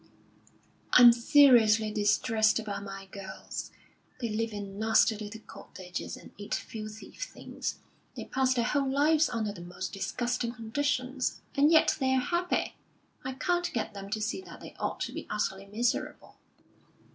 "I'm seriously distressed about my girls. They live in nasty little cottages, and eat filthy things; they pass their whole lives under the most disgusting conditions, and yet they're happy. I can't get them to see that they ought to be utterly miserable."